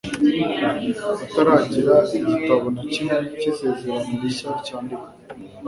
Hataragira igitabo na kimwe cy'Isezerano rishya cyandikwa,